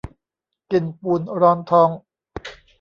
กินปูนร้อนท้อง